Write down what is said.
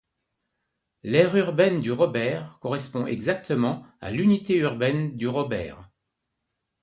L'aire urbaine du Robert correspond exactement à l'unité urbaine du Robert.